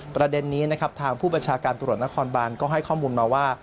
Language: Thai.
ประเด็นนี้นะครับทางผู้บัญชาการตรวจนครบานก็ให้ข้อมูลมาว่า